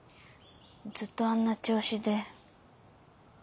ずっとあんな調子で。